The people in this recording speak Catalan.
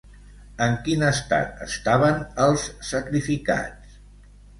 En quin estat estaven els sacrificats?